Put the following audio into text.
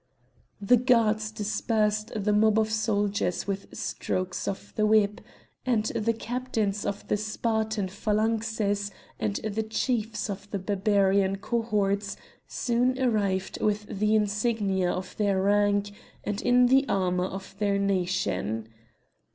The guards dispersed the mob of soldiers with strokes of the whip; and the captains of the Spartan phalanxes and the chiefs of the Barbarian cohorts soon arrived with the insignia of their rank, and in the armour of their nation.